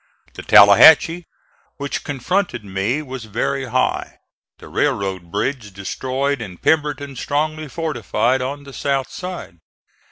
The Tallahatchie, which confronted me, was very high, the railroad bridge destroyed and Pemberton strongly fortified on the south side.